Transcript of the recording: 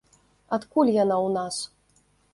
Адкуль яна ў нас?